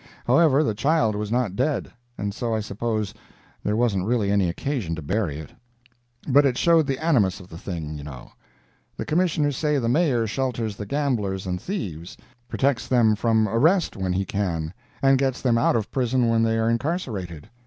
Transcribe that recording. However, the child was not dead, and so I suppose there wasn't really any occasion to bury it. But it showed the animus of the thing, you know. The Commissioners say the Mayor shelters the gamblers and thieves, protects them from arrest when he can, and gets them out of prison when they are incarcerated.